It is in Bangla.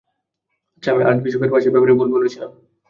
আচ্ছা, আমি আর্চবিশপের পাছার ব্যাপারে ভুল বলেছিলাম।